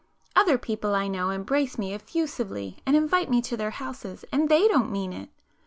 Other people I know embrace me effusively and invite me to their houses, and they don't mean it!